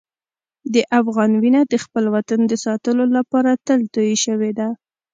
د افغان وینه د خپل وطن د ساتلو لپاره تل تویې شوې ده.